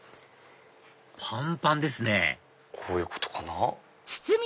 ぱんぱんですねこういうことかな。